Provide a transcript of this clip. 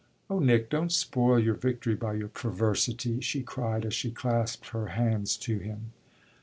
"Oh Nick, don't spoil your victory by your perversity!" she cried as she clasped her hands to him.